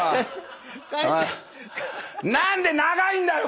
何で長いんだよ